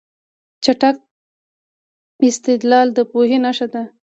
چټک استدلال د پوهې نښه ده.